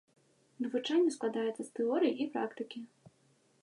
Навучанне складаецца з тэорыі і практыкі.